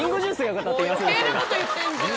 余計なこと言ってんじゃん。